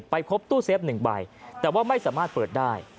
พบตู้เซฟ๑ใบแต่ว่าไม่สามารถเปิดได้